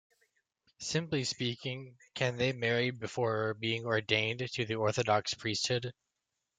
Simply speaking: can they marry before being ordained to the Orthodox Priesthood.